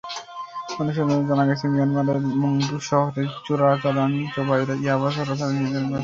অনুসন্ধানে জানা গেছে, মিয়ানমারের মংডু শহরের চোরাচালানি জোবাইর ইয়াবা চোরাচালান নিয়ন্ত্রণ করছেন।